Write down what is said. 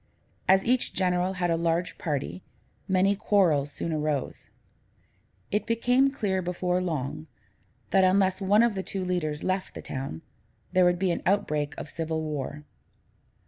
As each general had a large party, many quarrels soon arose. It became clear before long, that, unless one of the two leaders left the town, there would be an outbreak of civil war.